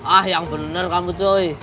ah yang bener kamu cuy